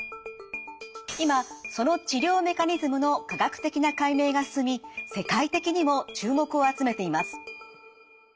今その治療メカニズムの科学的な解明が進み世界的にも注目を集めています。